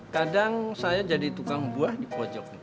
kadang saya jadi tukang buah di pojok